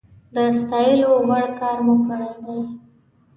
د ستايلو وړ کار مو کړی دی